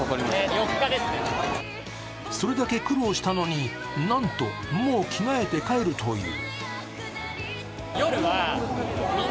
それだけ苦労したのになんと、もう着替えて帰るという。